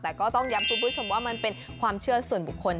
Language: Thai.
แต่ก็ต้องย้ำคุณผู้ชมว่ามันเป็นความเชื่อส่วนบุคคล